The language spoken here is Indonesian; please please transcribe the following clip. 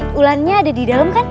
ulan dari ulannya ada di dalam kan